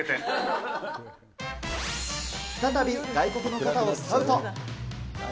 再び外国の方をスカウト。